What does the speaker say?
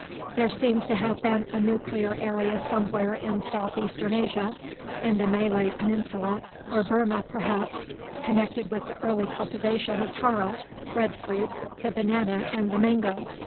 There seems to have been a nuclear area somewhere in southeastern Asia, in the Malay peninsula or Burma perhaps, connected with the early cultivation of taro, breadfruit, the banana and the mango.